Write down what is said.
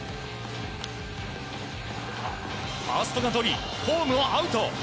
ファーストがとりホームはアウト！